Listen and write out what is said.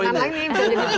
ini kayaknya orang orang ini